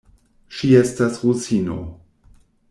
Ŝi estas rusino.